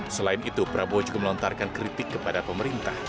selain itu prabowo juga melontarkan kritik kepada pemerintah